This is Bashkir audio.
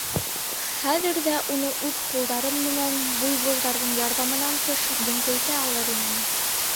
Хәҙер ҙә уны үҙ ҡулдарым менән, буйволдарҙың ярҙамынан тыш, дөңкәйтә алыр инем.